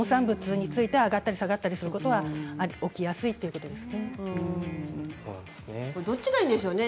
農産物について上がったり下がったり起きやすいということなんですね。